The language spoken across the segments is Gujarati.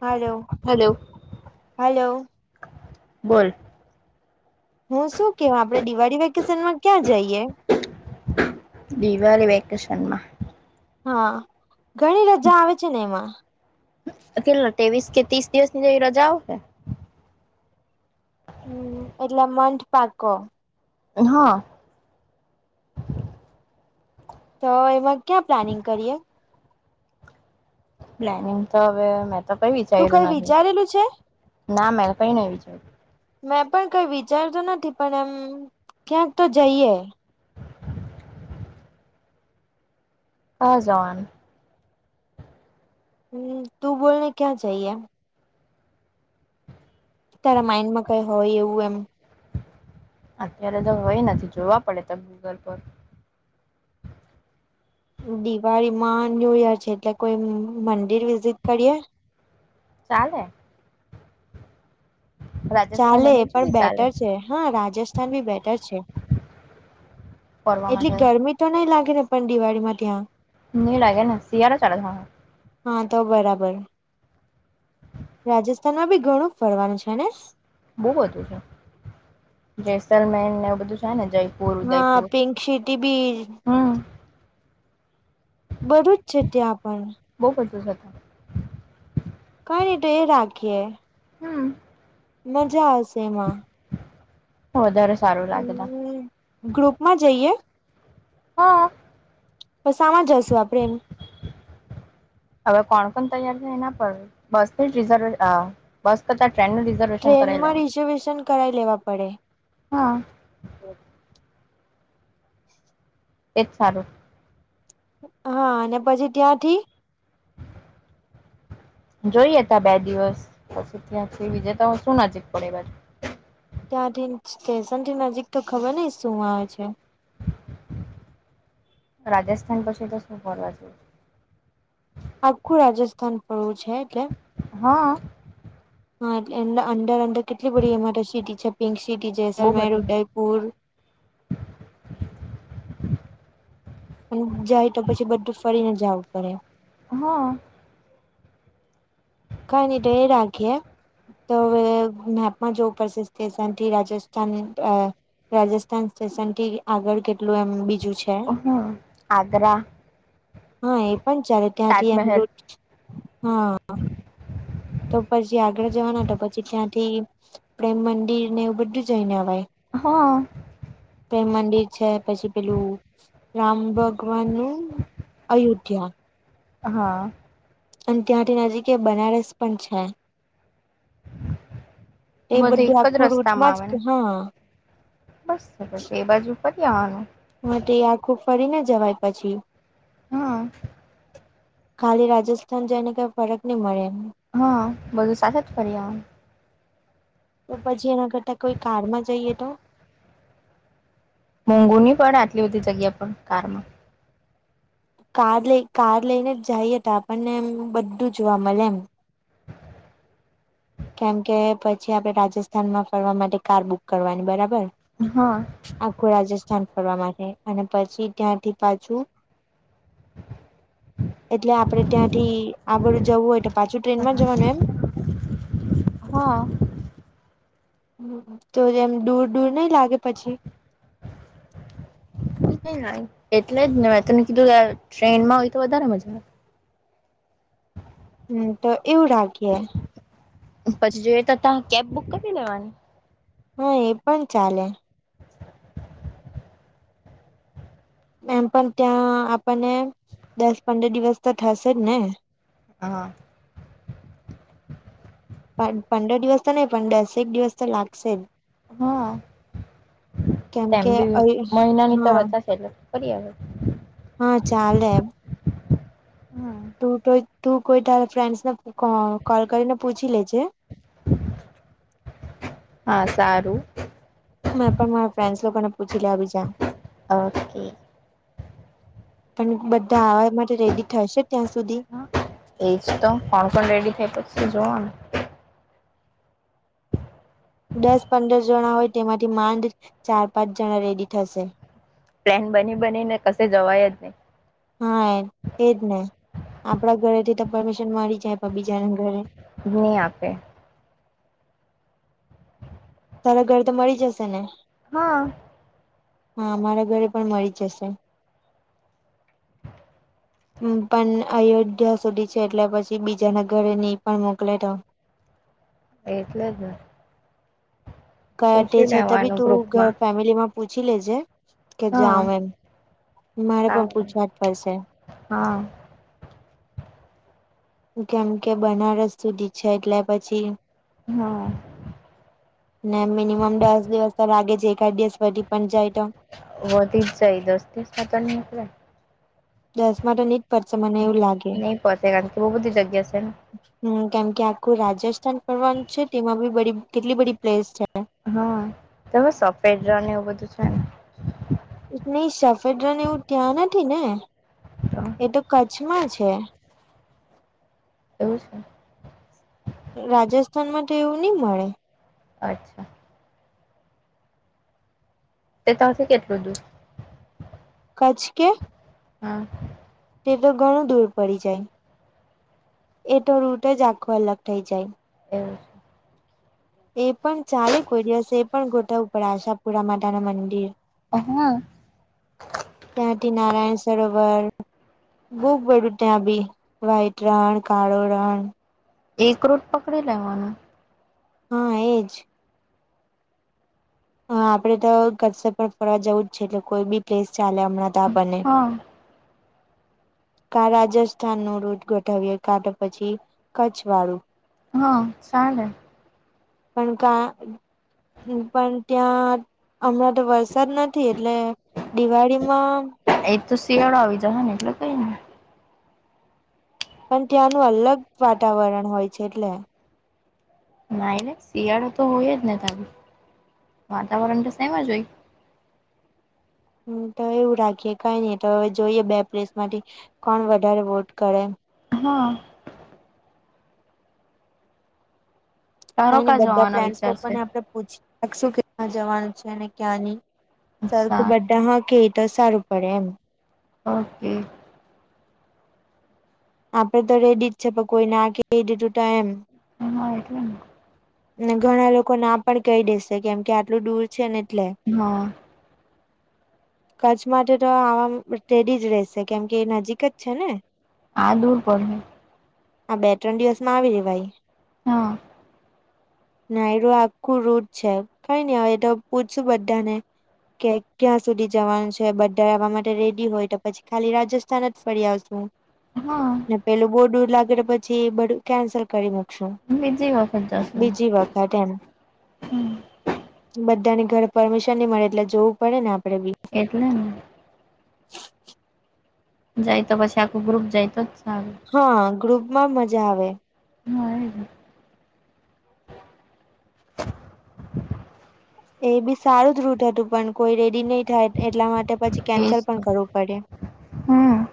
હાલો. હાલો. હલો. બોલ. હું શું કેવ આપડે દિવાળી વેકેશન માં ક્યાં જઈયે? દિવાળી વેકેશન માં? હા, ઘણી રજા આવે છે ને એમાં? અ કેટલો તેવીસ કે તીસ દિવસ ની જેવી રજા આવહે. હમ્મ એટલે મંઠ પાકો? હા. તો એમાં ક્યાં પ્લાનિંગ કરીએ? પ્લાનિંગ તો હવે મેં તો કઈ તું કઈ વિચાર્યું નહી. વિચારેલું છે ના મેં કઈ નઈ વિચાર્યું. મેં પણ કઈ વિચારતો નથી પણ એમ ક્યાંક તો જઈએ. કા જવાનું? હમ્મ તું બોલને ક્યાં જઈએ? તારા માઇન્ડ માં કઈ હોય એવું એમ. અત્યારે તો હોય નથી જોવા પડે તો ગૂગલ પર. દિવાળીમાં ન્યૂ યર છે એટલે કોઈ મંદિર વિઝિટ કળીએ. ચાલે રાજસ્થાન ચાલે એ બાજુ પણ બી ચાલે બેટર છે, હા રાજસ્થાન ભી બેટર છે. પરવા માટે એટલી ગરમી તો નઈ લાગે ને પણ દિવાળી માં ત્યાં? ન લાગે ને, શિયાળા ચાલે છે હ હ તો બરાબર. રાજસ્થાનમાં બી ઘણું ફરવાનું છે ને? બહુ બધું છે, જેસલમેર ને એવું બધું છે ને જય હા પિંક સિટી બી હમ બધું જ છે ત્યાં પણ. બઉ બધું છે તા. કઈ ની ત એ રાખીએ. હમ મજા આવશે એમાં. વધારે સારું લાગે તા. ગ્ળુપમાં જઈએ? હ સામાં જશું આપડણે એમ? હવે કોણ કોણ તૈયાર થાય એના પર બસ જ રિઝર્વ અ બસ કરતા ટ્રેન નું રિ ટ્રેનમાં રિઝર્વેશન કરાવી લેવા પડે. હ એ જ સારું. હા અને પછી ત્યાંથી જોઈએ ત બે દિવસ પછી ત્યાંથી વિ જેતો શું નજીક પડે એ બાજુ. ત્યાંથી સ્ટેશન થી નજીક તો ખબર નઈ શું આવે છે? રાજસ્થાન પછી તો શું કરવા જઈએ. આખું રાજસ્થાન પળવું છે એટલે. હ હા એટલે અન્દર અન્દર કેટલી બડી અમારે સિટી છે, પિંક સિટી છે, બહુ જસલમેર, બધું ઉદયપુર,.... અને જાય તો પછી બધું ફળીને જવું પડે. હ કઈની ત એ રાખીએ તો અવે મેપમાં જોવું પડશે સ્થેશનથી રાજસ્થાન અ રાજસ્થાન સ્ટેશનથી આગળ કેટલું એમ બીજું છે? હમ આગ્રા એ હ એ પણ ચાલે ત્યાંથી એમ રુ તાજમહેલ હ તો પસી આગળ જવાના તો પછી ત્યાંથી પ્રેમ મંદિર ને એવું બઢુ જઈને અવાય. હ તે મંદિર છે, પછી પેલું રામ ભગવાન નું અયોધ્યા હા. અને ત્યાંથી નજીક એ બનારસ પણ છે. એ બધું એક જ આખું રૂટમાં રસ્તામાં જ આવે કે, ને હા બસ સરસ એ બાજુ ફરી આવાનું. વધે એ આખું ફરી ના જવાય પછી. હ. ખાલી રાજસ્થાન જઈને કઈ ફરક નઈ મડે. હ, બધું સાથે જ ફરી આવાય. તો પછી એના કરતા કોઈ કાળમાં જઈએ તો. મોંઘુની પળે આટલી બધી જગ્યા પણ કારમાં. કાર લઈ કાર લઈને જ જાય હતા આપણને એમ બધું જોવા મળે એમ. કેમ કે પછી આપડે રાજસ્થાનમાં ફરવા માટે કાર બુક કરવાની બરાબર. હા. આખું રાજસ્થાન ફરવા માટે અને પછી ત્યાંથી પાછું. [inaudible] એટલે આપડે ત્યાંથી આગળ જવું હોય તો પાછું ટ્રેન માં જવાનું એમ. હ. તો જ એમ ડૂર ડૂર નઈ લાગે પછી. ના [inaudible] એટલે જ ને મે તને કીધું કે ટ્રેનમાં હોય તો વધારે મજા આવે. હમ્મ, તો એવું ળાખીએે. પછી જોઈએ તો ત્યા કેબ બુક કરી લેવાની. હા એ પણ ચાલે. એમ પણ ત્યાં આપણને દસ પંદર દિવસ તો થશે જ ને. હા. [inaudible] પંદર દિવસ તો નહી પણ દસેક દિવસ તો લાગશે જ. હા કેમ તેમ કે બી મહિનાની તો હા રજા છે ફરી અવાય. હા ચાલે એમ. તું તો તું કોઈ તારા ફ્રેન્ડ્સ ને કો કોલ કરીને પૂછી લેજે. હા સારું. મેં પણ મારા ફ્રેન્ડસ લોકો ને પૂછી લેવા બીજા. ઓકે. પણ બધા આવવા માટે રેડી થશે ત્યાં સુધી. હા એજ તો કોણ કોણ રેડી થયા પછી જોવાને. દસ પંદર જણા હોય તેમાંથી માંડ ચાર પાંચ જણા રેડી થશે. પ્લેન બની બની ને કશે જવાય જવાય જ નહીં. હા એ એજ ને. આપડા ઘરેથી તો પરમિશન મળી જાય પણ બીજાને ઘરે. નહી આપે. તારા ઘર તો મળી જશે ને. હા. હા મારા ઘરે પણ મળી જશે. હમ્મ પણ અયોધ્યા સુધી છે એટલે પછી બીજા ન ઘરે નહી પણ મોકલે તો. એટલે જ ને. ગયા તે પૂછી છતાં બી લેવાનું તું ગ્રુપમાં ફેમિલીમાં પૂછી લેજે કે હા જાવ એમ મારે પણ સારું પૂછવા જ પડશે. હા. કેમ કે બનારસ સુધી છે એટલે પછી. હા. ને મિનિમમ બે જ દિવસ તો લાગે છે એકાદ દિવસ વધી પણ જાય તો. વધી જ જાય. દસ થી સાત આઠ ને મોકલે. દશ મા તો નિજ નઈ પોહચે કારણ કે બોવ બધી જગ્યા છે ને. હમ્મ કેમ કે આખું રાજસ્થાન ફરવાનું છે તેમાં બી બધી કેટલી બધી પ્લેસ છે. હા તમે સફેદ રણ એવું બધું છે ને. નઈ સફેદ રન એવું ત્યાં નથી ને. તો? એ તો કચ્છમાં છે. એવું છે. રાજસ્થાનમાં તો એવું નહી મળે. અચ્છા. એ તાથી કેટલું દૂર. કચ્છ કે. હા. તે તો ઘણું દૂર પડી જાય. એટ રૂટ જ આખો અલગ થઈ જાય. એવું છે. એ પણ ચાલે કોઈ દિવસ એ પણ ગોઠવવુ ઉપર આશાપુરા માતાના મંદિર અ હ ત્યાંથી નારાયણ સરોવર બવ બધુ ત્યાં બી વ્હાઈટ રણ કાળો રણ એક રૂટ પકડી લેવાનું. હા એજ. હ આપડે તો કશે પણ ફરવા જવું જ છે એટલે કોઈ બી પ્લેસ ચાલે હમણાં તો આપણને [inaudible] હા કા રાજસ્થાન નું રૂટ ગોઠાવએ કાંતો પછી કચ્છ વાળું હા ચાલે. પણ કા હું પણ ત્યાં હમણાં તો વરસાદ નથી એટલે દિવાળીમાં એ તો શિયાળો આવી જહે ને એટલે કઈની પણ ત્યાંનું અલગ વાતાવરણ હોય છે એટલે. નાઈલે શિયાળો તો હોય જ ને તા વાતાવરણ તો સેમ જ હોય. હમ તો એવું રાખીએ કઈ નઈ તો હવે જોઈએ બે પ્લેસ માંથી કોણ વધારે વોટ કરે. હા. તારો કઈની કા બધા જવાનો ફેન્સ વિચાર લોકો છે ને આપડે [unintelligible] જવાનુ છે ને ક્યાં ની સરખું સારું બધા હા કેય તો સારુ પડે એમ ઓકે. આપડે તો રેડી જ છે પણ કોઈ ના કેય દીધું તો એમ. હ એટલે ને ને ઘણા લોકો ના પણ કેય દેશે કેમ કે આટલું દૂર છે ને એટલે. હા કચ્છ માટે તો આવામા ટ્રેડી જ રહેશે કેમ કે નજીક જ છે ને આ દૂર પડે આ બે ત્રણ દિવસમાં આવી રેવાય. હા. ને હવે આખું રૂટ છે કઈની હવે એ તો પૂછશું બધાને કે ક્યાં સુધી જવાનું છે બધા આવવા માટે રેડી હોય તો પછી ખાલી રાજ તાન જ ફરી હા આવશું [inaudible] પેલું બો દૂર લાગે તો પછી બધું કેન્સલ કરી નાખશું. બીજી હો બીજી વખત એમ હમ. બધાની ઘરે પરમિશન ની મળે એટલે જોવું પડે ને આપડે બી એટલેને [inaudible] જાયતો પછી આખુ ગ્રુપ જાયતો જ સારું. હા ગ્રુપમાં મજા આવે. ના એ બી સારું જ રૂટ હતું પણ કોઈ રેડી નહી થાય એટલા માટે પછી કેન્સલ પણ કરવું પડે. હા.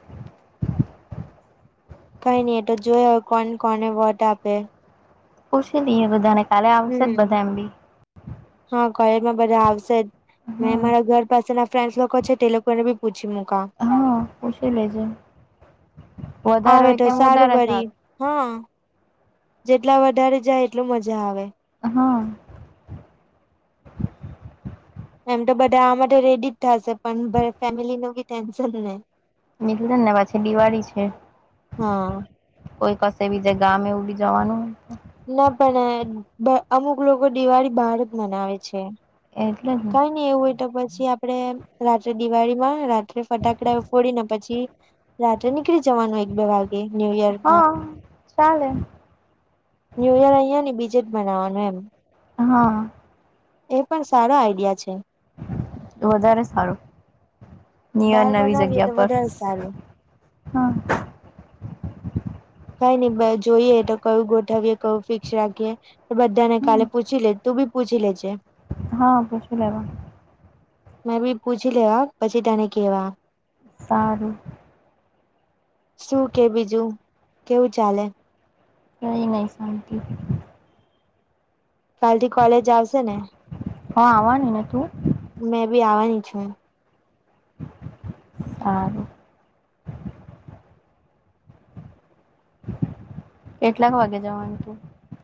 કઈ ની એ તો જોયે હવે કોન કોને વોટ આપે છે. પૂછી લઈએ બધાને કાલે આવશે જ હમ બધા એમ બી હા કોલેજમાં બધા આવશે જ મે હા. મારા ઘર પાસે ના ફ્રેન્ડસ લોકો છે તેટે લોકોને પૂછી મુકા હા પૂછી લેજે વધારે આવે હોય તો તેમમ વધારે વરી સારું. હા. જેટલા વધારે જાય એટલું મજા આવે. હા. એમ તો બધા આ માટે રેડી જ થાશે પણ ફેમિલી નું બી ટેન્શન ને [unintelligible] છે દિવાળી છે. હા કોઈ કશે બીજે ગામે એવું બી જવાનું હે ના પણ અમુક લોકો દિવાળી બહાર જ મનાવે છે. એટલે જ ને કઈ નઈ એવું તો પછી આપણે રાત્રે દિવાળી માં રાત્રે ફટાકડા ફોડીને પછી રાત્રે નીકળી જવાનું એક બે વાગે ન્યુયોર્કમાં હા ચાલે ન્યુ યર અહીંયા ને બીજે જ બનાવવાનું એમ હા. એ પણ સારો આઈડિયા છે. વધારે સારું નિયર બહાર નવી મનાવીએ તો જગ્યા પર વધારે સારું. હા. કઈ નહી જોઈએ તો કયું ગોઠવીએ કયુ ફિક્સ રાખીએ. બધા ને કાલે પૂછી લેજે તું બી પૂછી લેજે. હા પૂછી લેવા મેં બી પૂછી લેવા પછી તેને કેવા સારું. શું કે બીજું કેવું ચાલે? ક નહી શાનંત કાલ થી કોલેજ આવશે ને હા આવવાની ને તું મેં બી આવવાની છું. સારું કેટલાક વાગે જવાનું તું